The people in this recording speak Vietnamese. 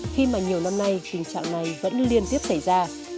khi mà nhiều năm nay tình trạng này vẫn liên tiếp xảy ra